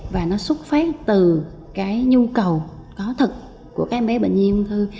và nó xuất phát từ cái nhu cầu có thật của các em bé bệnh viện ung thư